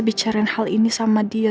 bicara hal ini sama dia